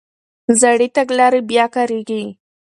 زړې تګلارې بیا کارېږي.